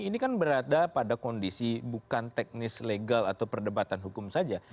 ini kan berada pada kondisi bukan teknis legal atau perdebatan hukum saja